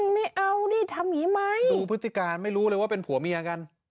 ไม่เอานี่ทำอย่างนี้ไหมดูพฤติการไม่รู้เลยว่าเป็นผัวเมียกัน